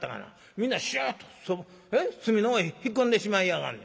みんなシュッと隅の方へ引っ込んでしまいやがんねん。